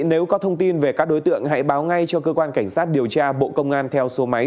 nếu có thông tin về các đối tượng hãy báo ngay cho cơ quan cảnh sát điều tra bộ công an theo số máy